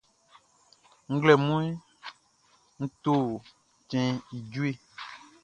Nglɛmunʼn, e to cɛnʼn i jueʼn.